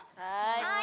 はい。